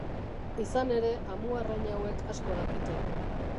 Izan ere, amuarrain hauek asko dakite.